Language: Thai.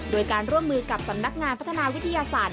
โดยการร่วมมือกับสำนักงานพัฒนาวิทยาศาสตร์